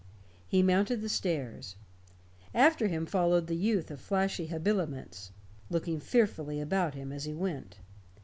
He mounted the stairs. After him followed the youth of flashy habiliments, looking fearfully about him as he went.